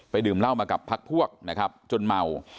ดื่มเหล้ามากับพักพวกนะครับจนเมา